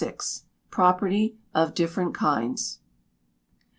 Property of Different Kinds.